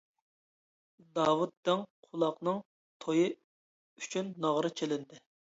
داۋۇت دىڭ قۇلاقنىڭ تويى ئۈچۈن ناغرا چېلىندى.